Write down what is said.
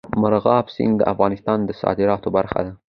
مورغاب سیند د افغانستان د صادراتو برخه ده.